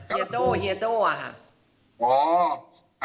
เฮียโจ้อะค่ะ